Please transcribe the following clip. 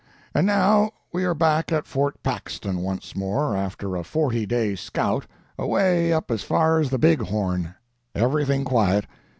And now we are back at Fort Paxton once more, after a forty day scout, away up as far as the Big Horn. Everything quiet.